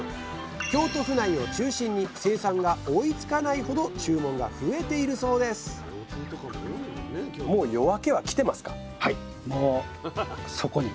京都府内を中心に生産が追いつかないほど注文が増えているそうですさあ